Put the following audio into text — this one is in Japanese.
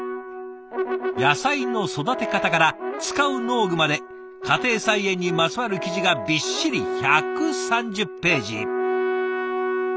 野菜の育て方から使う農具まで家庭菜園にまつわる記事がびっしり１３０ページ。